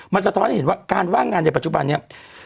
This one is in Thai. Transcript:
มันสะท้อนให้เห็นว่าการว่างงานในปัจจุบันนี้